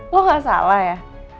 lo gak salah ya